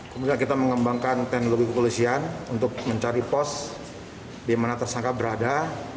kemudian kita mengembangkan teknologi kepolisian untuk mencari pos di mana tersangka berada